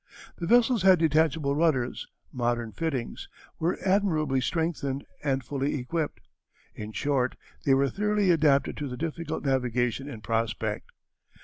The vessels had detachable rudders, modern fittings, were admirably strengthened and fully equipped; in short, they were thoroughly adapted to the difficult navigation in prospect.